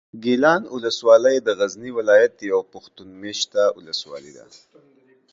ګیلان اولسوالي د غزني ولایت یوه پښتون مېشته اولسوالي ده.